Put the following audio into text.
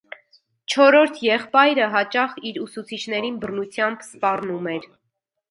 Չորրորդ եղբայրը հաճախ իր ուսուցիչներին բռնությամբ սպառնում էր։